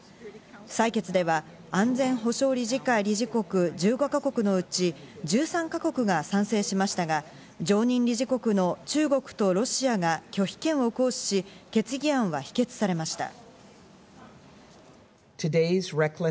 採決では、安全保障理事会理事国１５か国のうち、１３か国が賛成しましたが、常任理事国の中国とロシアが拒否権を行使し、決議案は否決されました。